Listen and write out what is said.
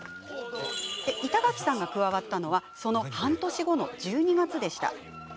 板垣さんが加わったのはその半年後の１２月でした。